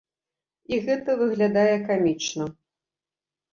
І гэта выглядае камічна.